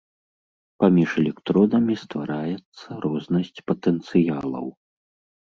Паміж электродамі ствараецца рознасць патэнцыялаў.